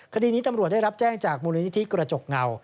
คดีนี้ตำรวจได้รับแจ้งจากมูลนิธิกระจกเงา